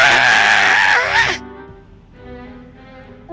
berdiri lagi sama lu